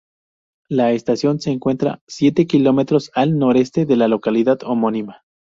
La estación se encuentra siete kilómetros al noreste de la localidad homónima.